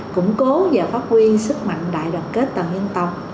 củng cố và phát huy sức mạnh đại đoàn kết tầng nhân tộc